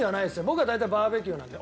僕は大体バーベキューなんで。